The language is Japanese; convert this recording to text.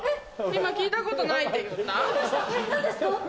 今聞いたことないって言った？